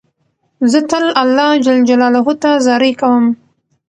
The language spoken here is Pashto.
زه تل الله جل جلاله ته زارۍ کوم.